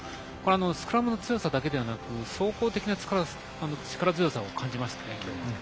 スクラムの強さだけでなく総合的な力強さを感じました。